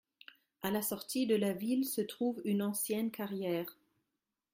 À la sortie de la ville se trouve une ancienne carrière